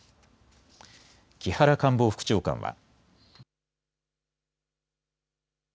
木原官房副長官は。